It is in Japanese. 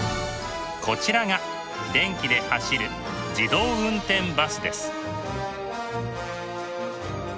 こちらが電気で走る自動運転バスです。